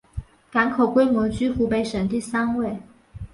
港口规模居湖北省第三位。